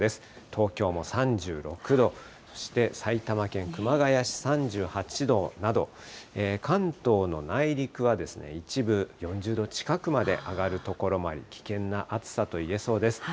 東京も３６度、そして埼玉県熊谷市、３８度など、関東の内陸は、一部４０度近くまで上がる所もあり、危険な暑さと言えそうです。